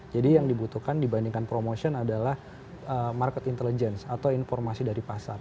jadi yang dibutuhkan dibandingkan promotion adalah market intelligence atau informasi dari pasar